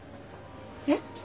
えっ？